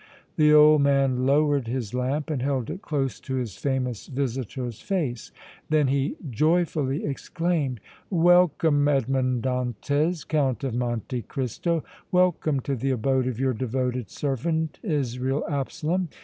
The old man lowered his lamp and held it close to his famous visitor's face; then he joyfully exclaimed: "Welcome, Edmond Dantès, Count of Monte Cristo! Welcome to the abode of your devoted servant Israel Absalom!